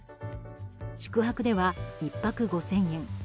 宿泊では１泊５０００円